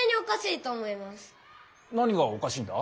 何がおかしいんだ？